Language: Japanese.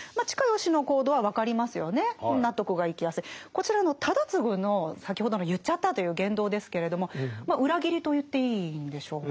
こちらの忠次の先ほどの言っちゃったという言動ですけれども裏切りと言っていいんでしょうか。